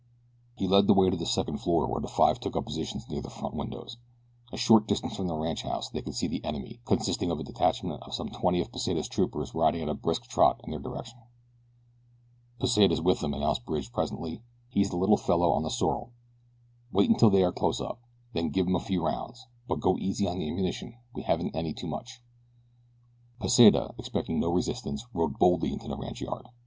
He led the way to the second floor, where the five took up positions near the front windows. A short distance from the ranchhouse they could see the enemy, consisting of a detachment of some twenty of Pesita's troopers riding at a brisk trot in their direction. "Pesita's with them," announced Bridge, presently. "He's the little fellow on the sorrel. Wait until they are close up, then give them a few rounds; but go easy on the ammunition we haven't any too much." Pesita, expecting no resistance, rode boldly into the ranchyard.